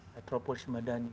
metropolis dan madani